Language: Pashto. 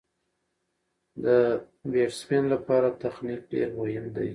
د بېټسمېن له پاره تخنیک ډېر مهم دئ.